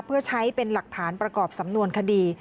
เพื่อใช้เป็นหลักฐานประกอบสำนวนคดี